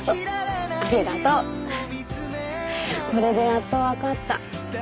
これでやっとわかった。